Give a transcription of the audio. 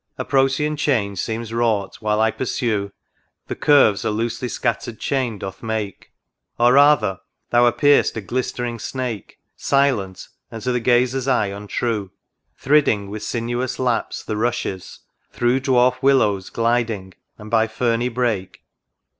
A Protean change seems wrought while I pursue The curves, a loosely scattered chain doth make ; Or rather thou appear'st a glistering snake, Silent, and to the gazer's eye untrue, Thridding with sinuous lapse the rushes, through Dwarf willows gliding, and by ferny brake.